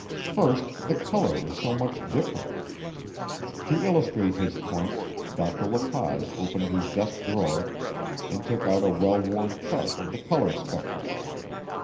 First the color was so much different. To illustrate his point, Dr. La Paz opened his desk drawer and took out a well worn chart of the color spectrum.